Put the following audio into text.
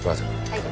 はい。